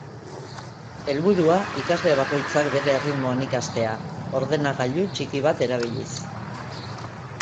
Helburua, ikasle bakoitzak bere erritmoan ikastea, ordenagailu txiki bat erabiliz.